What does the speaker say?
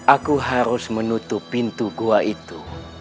aku harus menutup pintu gua itu